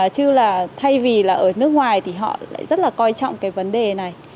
chứ là thay vì là ở nước ngoài thì họ lại rất là coi trọng cái vấn đề này